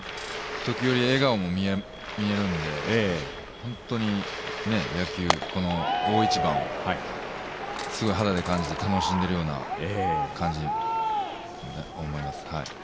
時折、笑顔も見えるんで本当に野球、この大一番をすごい肌で感じて楽しんでるような感じに思います。